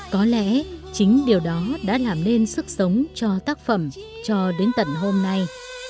có lẽ chính điều đó đã làm nên sức sống cho tác phẩm cho đến tận hôm nay